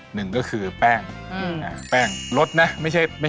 หนึ่งก็คือแป้งแป้งลดนะไม่ใช่ตัด